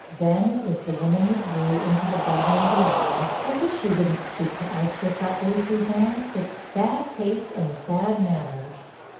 Then as the woman withdrew into the bedroom beyond, "I wish you wouldn't speak to Elspeth that way, Suzanne. It's bad taste and bad manners."